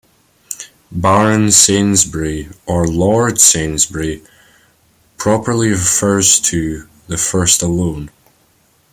"Baron Sainsbury" or "Lord Sainsbury" properly refers to the first alone.